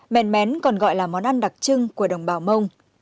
mèn mén còn gọi là món ăn đặc trưng của đồng bào mông